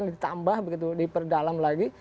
ditambah diperdalam lagi